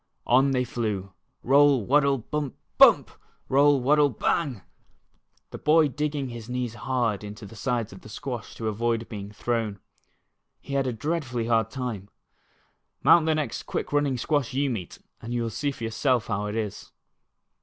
On they flew, " roll, waddle, bump, biunp ; roll, waddle, bang,'^ the boy digging his knees hard into the sides of the squash to avoid being thrown. He had a dreadfully hard time. Mount the next quick running squash you meet, and you will see for yourself how it is.